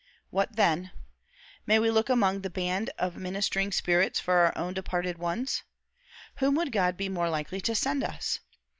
What then? May we look among the band of ministering spirits for our own departed ones? Whom would God be more likely to send us?